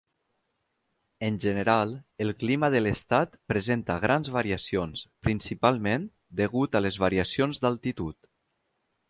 En general, el clima de l'estat presenta grans variacions, principalment degut a les variacions d'altitud.